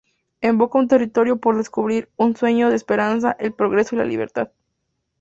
Evoca un territorio por descubrir, un sueño de esperanza, el progreso y la libertad.